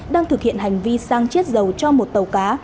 đang thực hiện hành vi sang chiết dầu cho một tàu cá